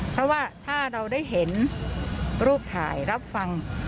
เพราะว่าถ้าเราได้เห็นรูปถ่ายรับฟัง